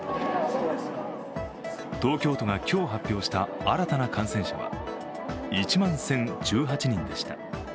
東京都が今日発表した新たな感染者は１万１０１８人でした。